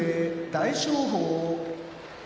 大翔鵬